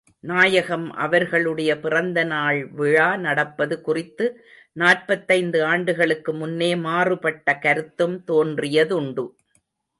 நாயகம் அவர்களுடைய பிறந்த நாள் விழா நடப்பது குறித்து நாற்பத்தைந்து ஆண்டுகளுக்கு முன்னே மாறுபட்ட கருத்தும் தோன்றியதுண்டு.